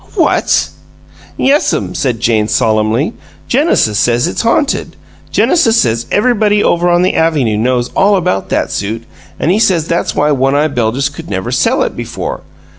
"What!" "Yes'm," said Jane, solemnly; "Genesis says it's haunted. Genesis says everybody over on the avynoo knows all about that suit, an' he says that's why One eye Beljus never could sell it before.